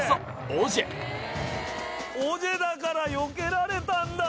オジェだからよけられたんだ！